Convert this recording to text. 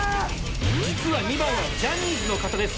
実は２番はジャニーズの方です